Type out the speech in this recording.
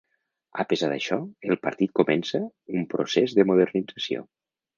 A pesar d'això, el partit comença un procés de modernització.